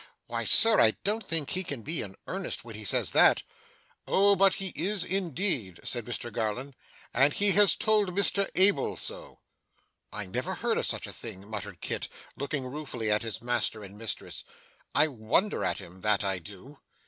'Why, Sir, I don't think he can be in earnest when he says that.' 'Oh! But he is indeed,' said Mr Garland. 'And he has told Mr Abel so.' 'I never heard of such a thing!' muttered Kit, looking ruefully at his master and mistress. 'I wonder at him; that I do.